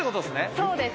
そうです。